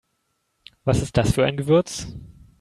Was ist das für ein Gewürz?